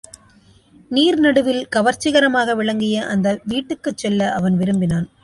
நீர் நடுவில் கவர்ச்சிகரமாக விளங்கிய அந்த வீட்டுக்குச் செல்ல அவன் விரும்பினான்.